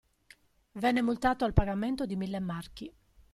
Venne multato al pagamento di mille marchi.